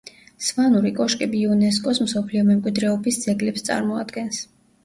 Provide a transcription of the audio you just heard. სვანური კოშკები იუნესკო-ს მსოფლიო მემკვიდრეობის ძეგლებს წარმოადგენს.